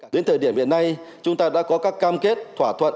đến thời điểm hiện nay chúng ta đã có các cam kết thỏa thuận